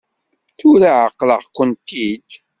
Tura ɛeqleɣ-kent-id.